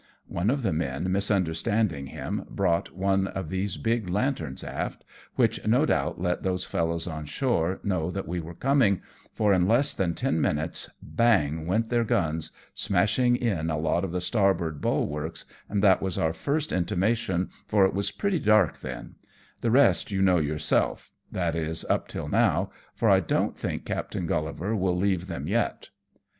One of the men misunder standing him, brought one of these big lanterns aft, which no doubt let those fellows on shore know that we were coming, for in less than ten minutes bang went their guns^ smashing in a lot of the starboard bulwarks, and that was our first intimation, for it was pretty dark then; the rest you know yourself; that is up till now, for I don't think Captain GuUivar will leave them yet."